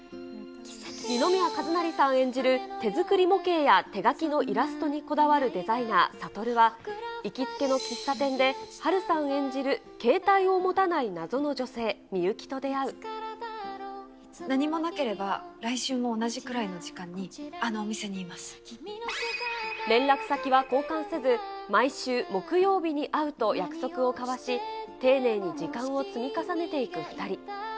二宮和也さん演じる、手作り模型や手書きのイラストにこだわるデザイナー、悟は、行きつけの喫茶店で波瑠さん演じる携帯を持たない謎の女性、何もなければ、来週も同じく連絡先は交換せず、毎週、木曜日に会うと約束を交わし、丁寧に時間を積み重ねていく２人。